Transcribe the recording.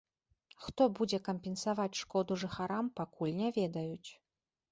Хто будзе кампенсаваць шкоду жыхарам, пакуль не ведаюць.